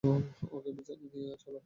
ওকে বিছানায় নিয়ে চলো।